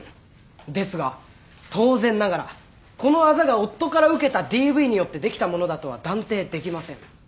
ですが当然ながらこのあざが夫から受けたＤＶによってできたものだとは断定できません。